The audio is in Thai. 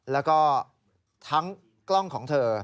แล้วก็ทั้งกล้องของเธอ